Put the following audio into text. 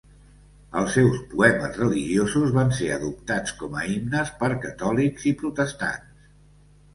Els seus poemes religiosos van ser adoptats com a himnes per catòlics i protestants.